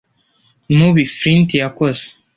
mubi, Flint yakoze! ”